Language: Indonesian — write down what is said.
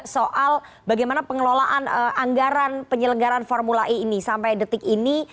soal bagaimana pengelolaan anggaran penyelenggaran formula e ini sampai detik ini